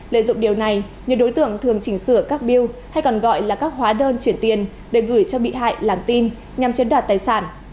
lợi dụng điều này nhiều đối tượng thường chỉnh sửa các biêu hay còn gọi là các hóa đơn chuyển tiền để gửi cho bị hại làm tin nhằm chiếm đoạt tài sản